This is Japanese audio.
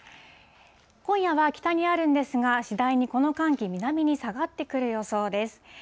今夜は北にあるんですが、次第にこの寒気、南に下がってくる予想です。